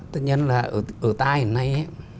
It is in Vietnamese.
tất nhiên là ở tại hôm nay